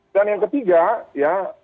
dan yang ketiga